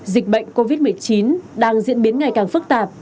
dịch bệnh covid một mươi chín đang diễn biến ngày càng phức tạp